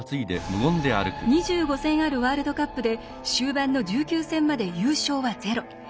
２５戦あるワールドカップで終盤の１９戦まで優勝はゼロ。